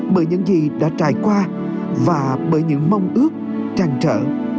bởi những gì đã trải qua và bởi những mong ước trăn trở